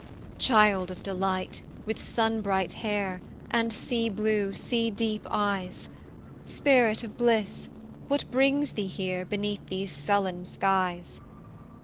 Child of delight, with sun bright hair, And sea blue, sea deep eyes! Spirit of bliss! What brings thee here Beneath these sullen skies?